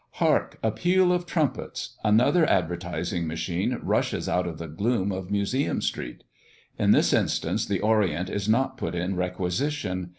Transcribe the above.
Hark! a peal of trumpets! Another advertising machine rushes out of the gloom of Museum Street. In this instance the Orient is not put in requisition.